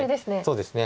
そうですね。